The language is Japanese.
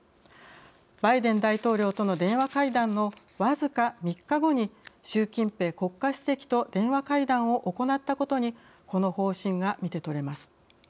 バイデン大統領との電話会談の僅か３日後に習近平国家主席と電話会談を行ったことにこの方針が見てとれます。